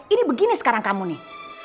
ini begini sekarang kamu nih